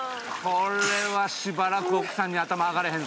これはしばらく奥さんに頭上がれへん